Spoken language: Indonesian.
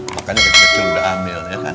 makanya kecil udah ambil ya kan